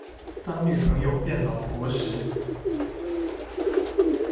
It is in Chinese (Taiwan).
當女朋友變老婆時